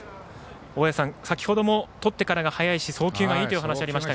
大矢さん、先ほどもとってから速いし送球がいいという話がありました。